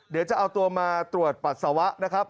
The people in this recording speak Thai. เดี๋ยวจะเอาตัวมาตรวจปัสสาวะนะครับ